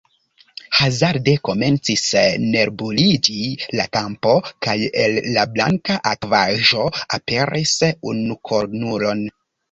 Hazarde, komencis nebuliĝi la kampo, kaj el la blanka akvaĵo aperis unukornulo!